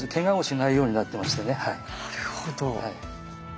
なるほど。